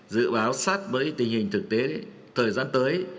dự báo sát với tình hình thực tế thời gian tới